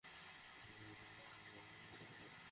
বিলের রশিদ ভেতরে রেখেছি।